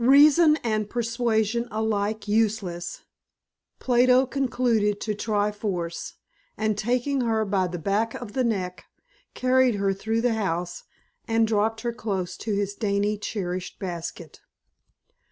Reason and persuasion alike useless, Plato concluded to try force and, taking her by the back of the neck, carried her through the house and dropped her close to his dainty cherished basket.